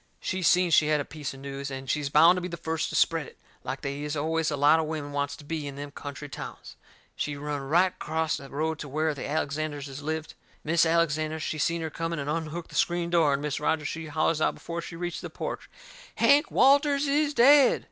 She seen she had a piece of news, and she's bound to be the first to spread it, like they is always a lot of women wants to be in them country towns. She run right acrost the road to where the Alexanderses lived. Mis' Alexander, she seen her coming and unhooked the screen door, and Mis' Rogers she hollers out before she reached the porch: "Hank Walters is dead."